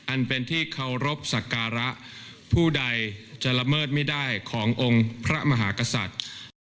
อันเป็นที่เคารพสักการะผู้ใดจะละเมิดไม่ได้ขององค์พระมหากษัตริย์